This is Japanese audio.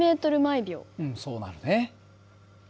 うんそうなるね。